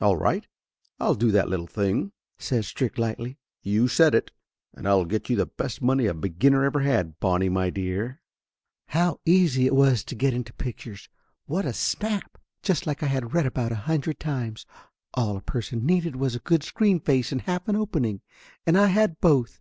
"All right, I'll do that little thing!" says Strick lightly. "You said it ! And I'll get you the best money a beginner ever had, Bonnie, my dear!" How easy it was to get into the pictures. What a snap! Just like I had read about a hundred times. All a person needed was a good screen face and half an opening. And I had both.